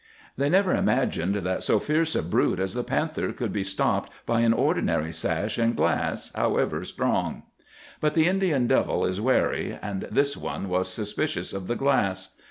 "They never imagined that so fierce a brute as the panther could be stopped by an ordinary sash and glass, however strong. "But the Indian devil is wary, and this one was suspicious of the glass.